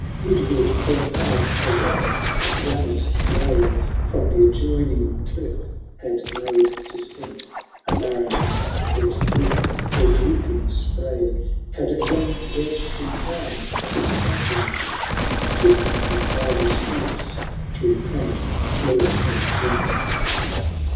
Midward their path, a rock of granite gray From the adjoiAing cliff had made descent^— A barren mass — ^yet with her drooping spray Had a young birch tree crownM its battlement. Twisting her fibrous roots through cranny, flaw and rent.